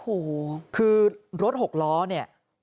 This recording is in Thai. แม่ครับคือรถหกล้อเนี่ย